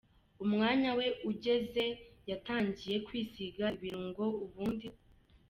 Umwanya we ugeze, yatangiye kwisiga ibirungo, ubundi